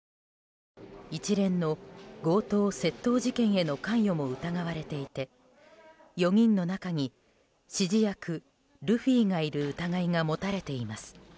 一連の強盗・窃盗事件への関与も疑われていて４人の中に指示役ルフィがいる疑いが持たれています。